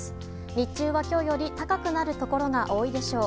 日中は今日より高くなるところが多いでしょう。